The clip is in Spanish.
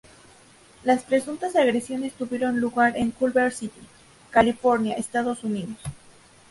Las presuntas agresiones tuvieron lugar en Culver City, California, Estados Unidos.